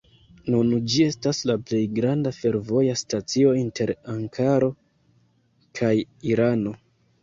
Nun ĝi estas la plej granda fervoja stacio inter Ankaro kaj Irano.